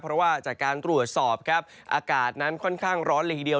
เพราะว่าจากการตรวจสอบครับอากาศนั้นค่อนข้างร้อนเลยทีเดียว